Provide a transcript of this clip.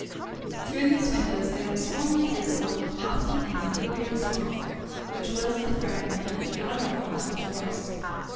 Through these windows there was formerly visible a lofty and lugubrious wall, which was a fragment of the outer wall of La Force.